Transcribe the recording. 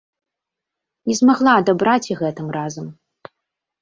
Не змагла адабраць і гэтым разам.